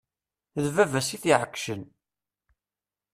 D baba-s i t-iɛeggcen.